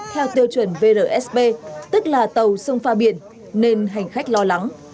theo tiêu chuẩn vrsb tức là tàu sông pha biển nên hành khách lo lắng